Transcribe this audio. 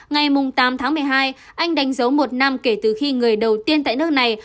ngày tám tháng một mươi hai anh đánh dấu một năm kể từ khi người đầu tiên tại nước này